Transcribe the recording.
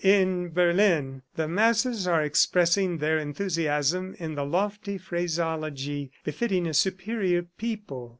"In Berlin, the masses are expressing their enthusiasm in the lofty phraseology befitting a superior people.